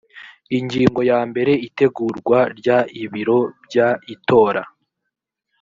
ingingo ya mbere itegurwa ry ibiro by itora